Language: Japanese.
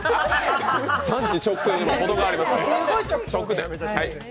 産地直送にも程がありますね。